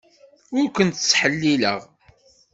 Ur kent-ttḥellileɣ.